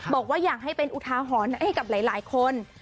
บอกว่าอยากให้เป็นอุทาหรณ์ให้กับหลายคน